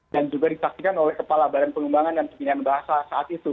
dan juga ditaksikan oleh kepala badan pengelombangan dan pembedaan bahasa saat itu